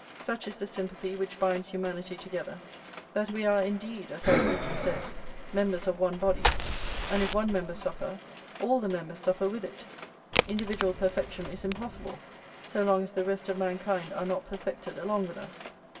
Such is the sympathy which binds humanity together, that we are indeed, as our religion says, members of one body, and if one member suffer, all the members suffer with it; individual perfection is impossible so long as the rest of mankind are not perfected along with us.